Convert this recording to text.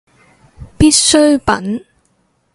必需品